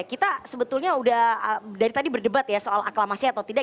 kita sebetulnya udah dari tadi berdebat ya soal aklamasi atau tidak